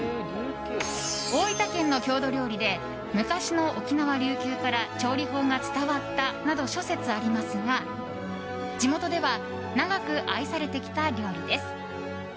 大分県の郷土料理で昔の沖縄、琉球から調理法が伝わったなど諸説ありますが地元では長く愛されてきた料理です。